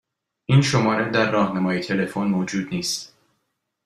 این شماره در راهنمای تلفن موجود نیست.